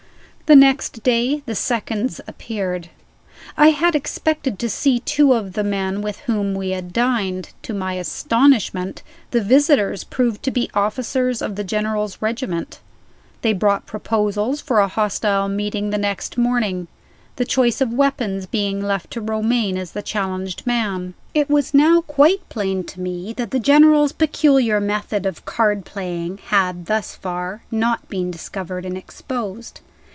The next day the seconds appeared. I had expected to see two of the men with whom we had dined. To my astonishment, the visitors proved to be officers of the General's regiment. They brought proposals for a hostile meeting the next morning; the choice of weapons being left to Romayne as the challenged man. It was now quite plain to me that the General's peculiar method of card playing had, thus far, not been discovered and exposed.